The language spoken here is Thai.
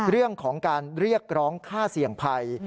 เรื่องของการเรียกร้องค่าเสี่ยงภัย